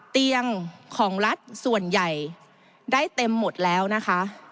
เตียงของรัฐส่วนใหญ่ได้เต็มหมดแล้วนะคะ